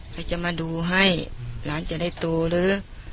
เขาจะมาดูให้หลานจะได้โตหรือ